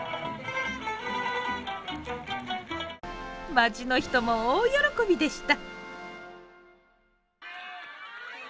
町の人も大喜びでした。